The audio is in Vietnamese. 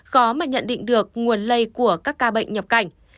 khó mà nhận định được nguồn lây của các ca bệnh nhập cảnh